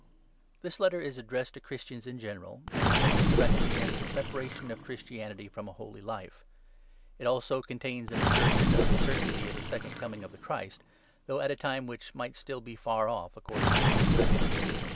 THIS Letter is addressed to Christians m general, and is mainly directed against the separation of Christianity from a holy life. It also contains an assertion of the certainty of the ' Second Coming ' of the Christ, though at a time which might still be far off according to human reckoning.